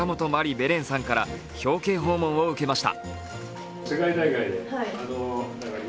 ベレンさんから表敬訪問を受けました。